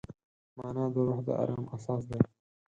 مانا د روح د ارام اساس دی.